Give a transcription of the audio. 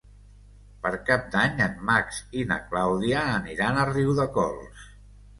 Per Cap d'Any en Max i na Clàudia aniran a Riudecols.